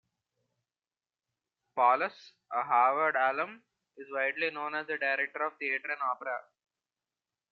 Paulus, a Harvard alum, is widely known as a director of theater and opera.